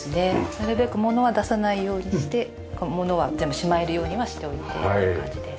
なるべく物は出さないようにして物は全部しまえるようにはしておいてという感じです。